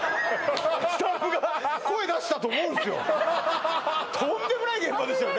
スタッフが声出したと思うんすよとんでもない現場ですよね